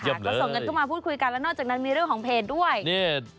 ก็ส่งกันเข้ามาพูดคุยกันแล้วนอกจากนั้นมีเรื่องของเพจด้วยนี่